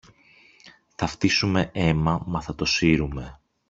Θα φτύσουμε αίμα μα θα το σύρουμε.